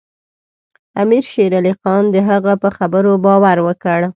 امیر شېر علي خان د هغه په خبرو باور وکړ.